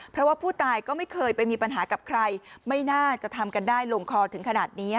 เพราะว่าผู้ตายก็ไม่เคยไปมีปัญหากับใครไม่น่าจะทำกันได้ลงคอถึงขนาดนี้